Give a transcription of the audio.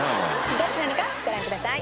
どっちなのかご覧ください。